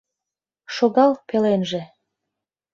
Шогал пеленже!